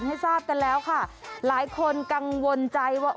หลายคนกังวลใจว่า